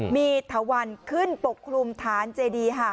มีถวันขึ้นปกคลุมฐานเจดี